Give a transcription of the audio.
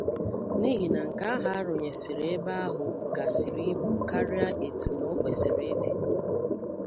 n'ihi na nke ahụ a rụnyesiri ebe ahụ bugasịrị ibu karịa etuno kwesiri ịdị